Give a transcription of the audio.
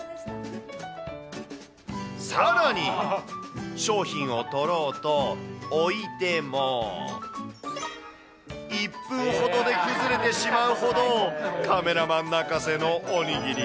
さらに、商品を撮ろうと置いても、１分ほどで崩れてしまうほど、カメラマン泣かせのおにぎり。